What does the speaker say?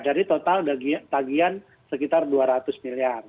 jadi total tagihan sekitar dua ratus miliar